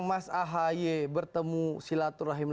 mas ahaye bertemu silaturahmi